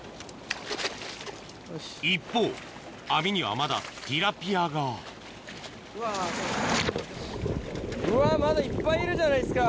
一方網にはまだティラピアが・うわ・うわまだいっぱいいるじゃないですか。